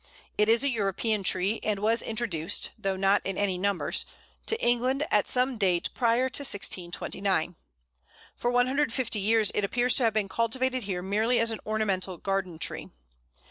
It is a European tree, and was introduced though not in any numbers to England at some date prior to 1629. For 150 years it appears to have been cultivated here merely as an ornamental garden tree.